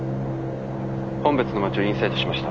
本別の街をインサイトしました。